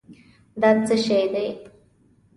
دا څه شی دی؟